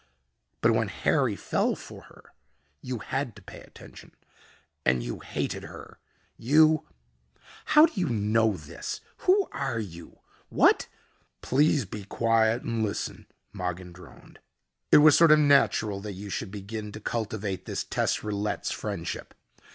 But when Harry fell for her, you had to pay attention, and you hated her. You " "How do you know this? Who are you? What ?" "Please be quiet and listen," Mogin droned. "It was sort of natural that you should begin to cultivate this Tess Rillette's friendship.